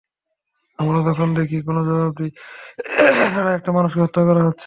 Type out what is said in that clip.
আমরা যখন দেখি, কোনো জবাবদিহি ছাড়া একটি মানুষকে হত্যা করা হচ্ছে।